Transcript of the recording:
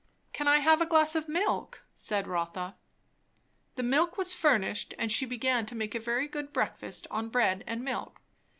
"Can I have a glass of milk?" said Rotha. The milk was furnished, and she began to make a very good breakfast on bread and milk.